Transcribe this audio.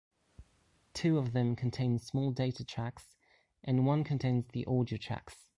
Two of them contain small data tracks, and one contains the audio tracks.